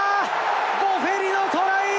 ボフェリのトライ！